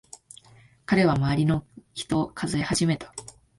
彼は周りの人を数え始めた。